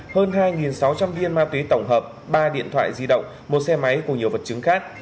hơn hai sáu trăm linh viên ma túy tổng hợp ba điện thoại di động một xe máy cùng nhiều vật chứng khác